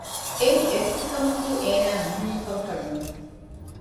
އެއިން އެއްވެސް ކަމަކީ އޭނާއަށް މުހިންމުކަމަކަށް ނުވެ